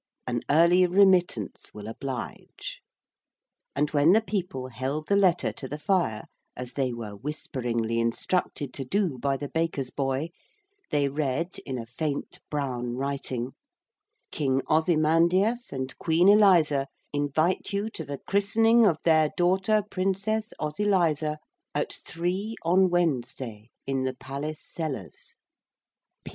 An early remittance will oblige.' And when the people held the letter to the fire, as they were whisperingly instructed to do by the baker's boy, they read in a faint brown writing: 'King Ozymandias and Queen Eliza invite you to the christening of their daughter Princess Ozyliza at three on Wednesday in the Palace cellars.